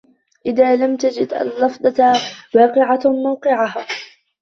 إذَا لَمْ تَجِدْ اللَّفْظَةَ وَاقِعَةً مَوْقِعَهَا